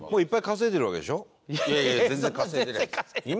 いやいやいや全然稼いでないです。